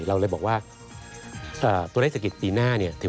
เราเลยบอกว่าตัวได้สะกริกปีหน้าถือว่าดี